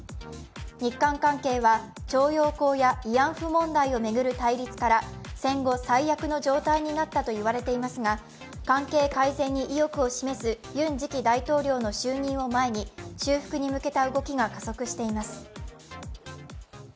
日韓関係は徴用工や慰安婦問題を巡る対立から戦後最悪の状態になったといわれていますが関係改善に意欲を示すユン次期大統領の就任を前に修復に向けた動きが加速しています。